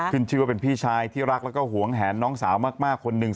ขึ้นชื่อว่าเป็นพี่ชายที่รักแล้วก็หวงแหนน้องสาวมากคนหนึ่ง